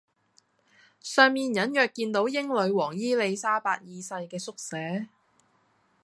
上面隱約見到英女皇伊莉莎白二世嘅縮寫